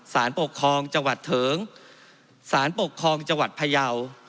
สารปกครองจังหวัดเถิงสารปกครองจังหวัดพยาว